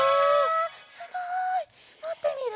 すごい！もってみる？